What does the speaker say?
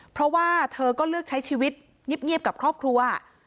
เพราะว่าเธอก็เลือกใช้ชีวิตเงียบกับครอบครัว